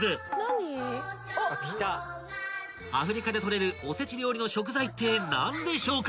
［アフリカでとれるおせち料理の食材って何でしょうか？］